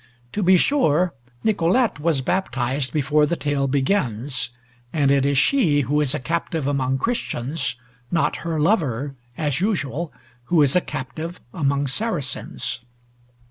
To be sure, Nicolete was baptized before the tale begins, and it is she who is a captive among Christians, not her lover, as usual, who is a captive among Saracens.